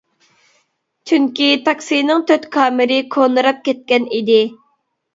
چۈنكى تاكسىنىڭ تۆت كامىرى كونىراپ كەتكەن ئىدى.